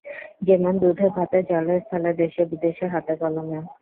যেমন: দুধে-ভাতে, জলে-স্থলে, দেশে-বিদেশে, হাতে-কলমে।